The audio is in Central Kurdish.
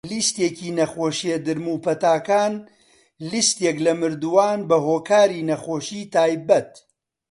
لیستێکی نەخۆشیە درم و پەتاکان - لیستێک لە مردووان بەهۆکاری نەخۆشی تایبەت.